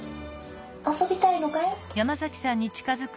遊びたいのかい？